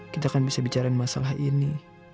kita kan bisa bicara masalah ini